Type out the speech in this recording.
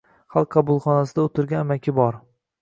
Xalq qabulxonasida o‘tirgan amaki bor.